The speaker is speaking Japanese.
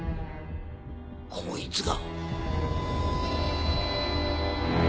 こいつが。